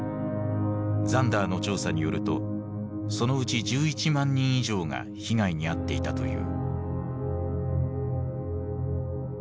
ザンダーの調査によるとそのうち１１万人以上が被害に遭っていたという。